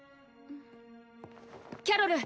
キャロル！